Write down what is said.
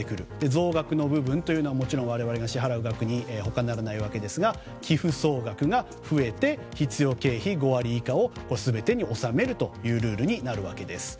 増額の部分というのも我々が支払う額に他ならないわけですが寄付総額が増えて必要経費などを５割以下に全てに収めるというルールになるわけです。